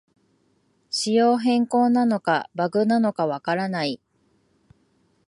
仕様変更なのかバグなのかわからない